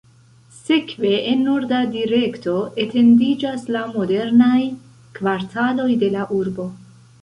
Sekve, en norda direkto, etendiĝas la modernaj kvartaloj de la urbo.